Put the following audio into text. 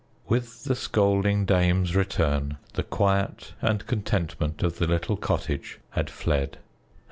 With the scolding dame's return, the quiet and contentment of the little cottage had fled.